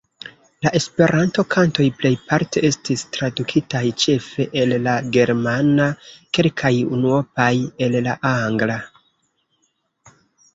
La Esperanto-kantoj plejparte estis tradukitaj; ĉefe el la germana, kelkaj unuopaj el la angla.